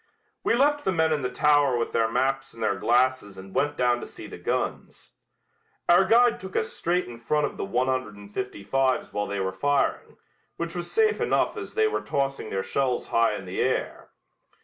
We left the men in the tower with their maps and their glasses and went down to see the guns. Our guide took us straight in front of the one hundred and fifty fives while they were firing, which was safe enough as they were tossing their shells high in the air.